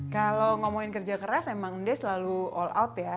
kalau ngomongin kerja keras emang dia selalu all out ya